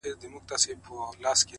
نو په سندرو کي به تا وينمه ـ